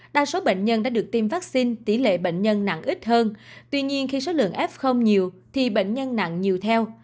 đa số bệnh nhân đã được tiêm vaccine tỷ lệ bệnh nhân nặng ít hơn tuy nhiên khi số lượng f không nhiều thì bệnh nhân nặng nhiều theo